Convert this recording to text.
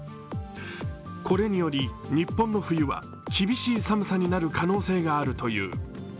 これにより、日本の冬は厳しい寒さになる可能性があるという。